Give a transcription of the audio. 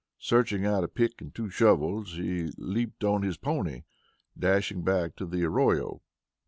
Searching out a pick and two shovels, he leaped on his pony, dashing back to the arroyo.